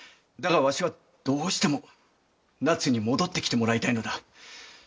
だがわしはどうしても奈津に戻ってきてもらいたいのだ。